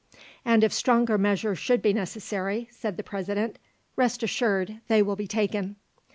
"And if stronger measures should be necessary," said the President, "rest assured they will be taken."